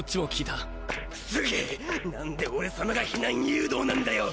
なんで俺様が避難誘導なんだよ。